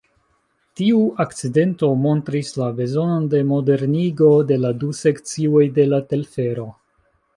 Tiu akcidento montris la bezonon de modernigo de la du sekcioj de la telfero.